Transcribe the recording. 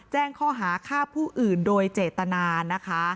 แจ้งข้อหาฆ่าผู้อื่นโดยเจตนานะคะ